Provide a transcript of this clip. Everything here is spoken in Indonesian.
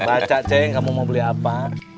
pak aceh kamu mau beli apa